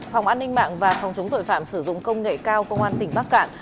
phòng an ninh mạng và phòng chống tội phạm sử dụng công nghệ cao công an tỉnh bắc cạn